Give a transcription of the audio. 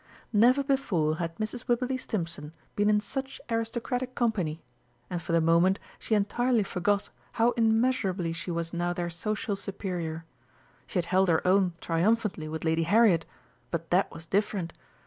Never before had Mrs. Wibberley Stimpson been in such aristocratic company, and for the moment she entirely forgot how immeasurably she was now their social superior. She had held her own triumphantly with Lady Harriet, but that was different.